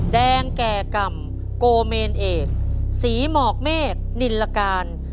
แดงแก่กรรมโกเมนเอกศรีหมอกเมฆนินลการ